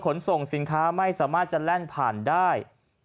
ขนส่งสินค้าไม่สามารถจะแล่นผ่านได้